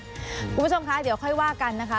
คุณผู้ชมคะเดี๋ยวค่อยว่ากันนะคะ